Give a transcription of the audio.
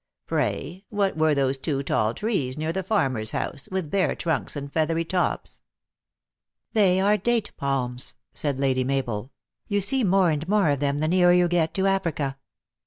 Pray, what were those two tall trees near the farmer s house, with bare trunks and feathery tops ?"" They are date palms," said Lady Mabel. "You see more and more of them the nearer you get to Africa."